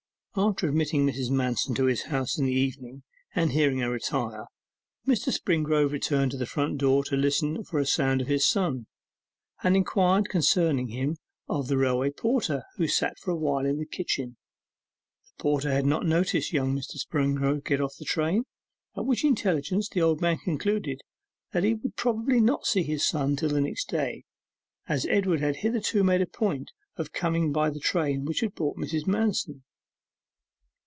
After admitting Mrs. Manston to his house in the evening, and hearing her retire, Mr. Springrove returned to the front door to listen for a sound of his son, and inquired concerning him of the railway porter, who sat for a while in the kitchen. The porter had not noticed young Mr. Springrove get out of the train, at which intelligence the old man concluded that he would probably not see his son till the next day, as Edward had hitherto made a point of coming by the train which had brought Mrs. Manston.